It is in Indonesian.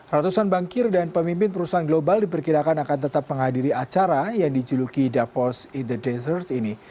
ratusan bankir dan pemimpin perusahaan global diperkirakan akan tetap menghadiri acara yang dijuluki davos in the dessert ini